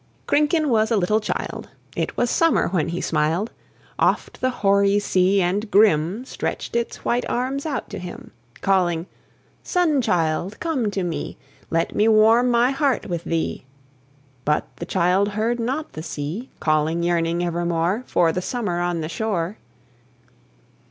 Krinken was a little child, It was summer when he smiled. Oft the hoary sea and grim Stretched its white arms out to him, Calling, "Sun child, come to me; Let me warm my heart with thee!" But the child heard not the sea Calling, yearning evermore For the summer on the shore.